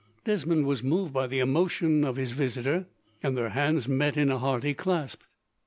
Desmond was moved by the emotion of his visitor, and their hands met in a hearty clasp.